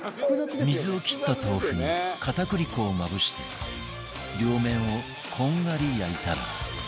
水を切った豆腐に片栗粉をまぶして両面をこんがり焼いたら